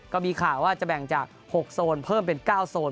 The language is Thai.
ก็มีข่าวว่าจะแบ่งจาก๖โซนเพิ่มเป็น๙โซน